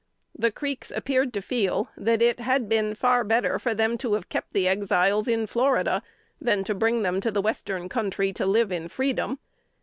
The Creeks appeared to feel that it had been far better for them to have kept the Exiles in Florida, than to bring them to the Western Country to live in freedom.